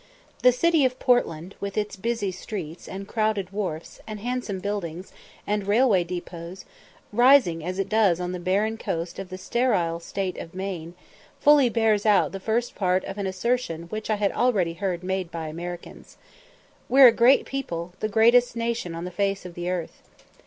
The city of Portland, with its busy streets, and crowded wharfs, and handsome buildings, and railway depots, rising as it does on the barren coast of the sterile State of Maine, fully bears out the first part of an assertion which I had already heard made by Americans, "We're a great people, the greatest nation on the face of the earth."